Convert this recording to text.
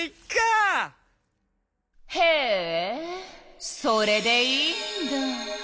へえそれでいいんだ。